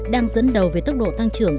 đang dẫn đầu về tốc độ tăng trưởng